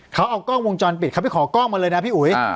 เขาเอากล้องวงจรปิดเขาไปขอกล้องมาเลยนะพี่อุ๋ย